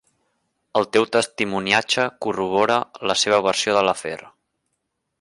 El teu testimoniatge corrobora la seva versió de l'afer.